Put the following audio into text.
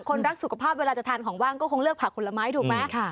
รักสุขภาพเวลาจะทานของว่างก็คงเลือกผักผลไม้ถูกไหม